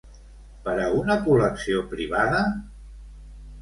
Per a una col·lecció privada?